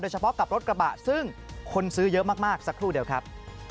เฉพาะกับรถกระบะซึ่งคนซื้อเยอะมากสักครู่เดียวครับ